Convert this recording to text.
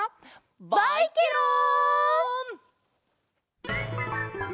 バイケロン！